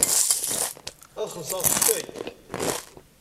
Ad xellṣent s ccak.